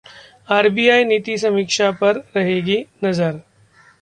RBI नीति समीक्षा पर रहेगी नजर